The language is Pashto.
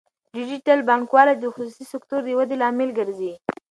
ډیجیټل بانکوالي د خصوصي سکتور د ودې لامل ګرځي.